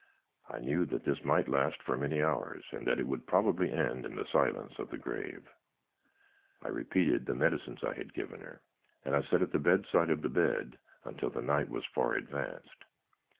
I knew that this might last for many hours, and that it would probably end in the silence of the grave. "I repeated the medicines I had given her, and I sat at the side of the bed until the night was far advanced.